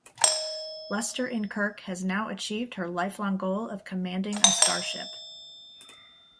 Lester-in-Kirk has now achieved her lifelong goal of commanding a starship.